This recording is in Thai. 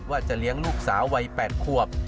ว่าจะเลี้ยงลูกสาววัย๘ขวบ